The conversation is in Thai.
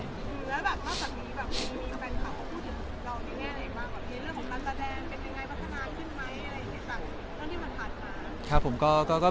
ผมไม่อายครับผมชินแล้วครับ